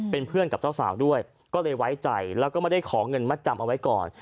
เป็นเพื่อนกับเจ้าสาวด้วยก็เลยไว้ใจแล้วก็ไม่ได้ขอเงินมัดจำเอาไว้ก่อน